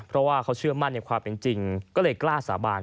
เพราะว่าเขาเชื่อมั่นในความเป็นจริงก็เลยกล้าสาบาน